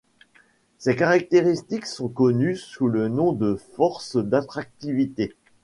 Ces caractéristiques sont connues sous le nom de forces d'attractivité.